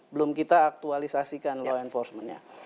belum kita aktualisasikan law enforcementnya